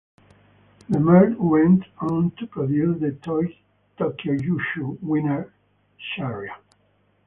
The mare went on to produce the Tokyo Yushun winner Shahryar.